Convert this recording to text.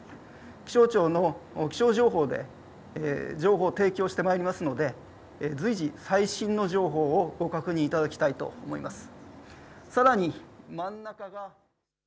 気象庁の気象情報で情報を提供してまいりますので随時最新の情報をご確認いただきたいと思います。